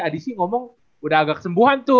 adi sih ngomong udah agak kesembuhan tuh